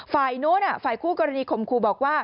ฝ่ายนู้นฝ่ายคู่กรณีข่มครูบอกว่า